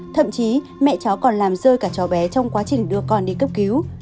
thậm chí mẹ cháu còn làm rơi cả cháu bé trong quá trình đưa con đi cấp cứu